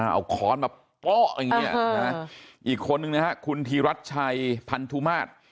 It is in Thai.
เอาค้อนมาโป๊ะอย่างนี้อีกคนนึงนะฮะคุณธีรัชชัยพันธุมาตร